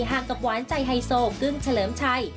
ห่างกับหวานใจไฮโซกึ้งเฉลิมชัย